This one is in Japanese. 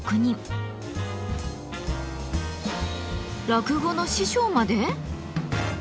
落語の師匠まで？